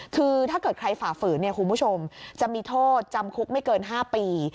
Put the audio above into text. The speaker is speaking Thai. คือถ้าเกิดใครฝ่าฝืนเนี่ยคุณผู้ชมจะมีโทษจำคุกไม่เกิน๕ปี